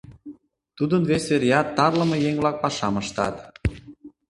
Тудын вес вереат тарлыме еҥ-влак пашам ыштат.